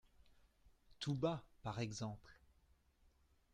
Tout bas, par exemple.